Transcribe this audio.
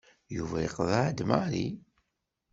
Yuba yeqḍeɛ-d Mary.